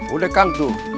udah kang tuh